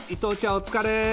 お疲れ。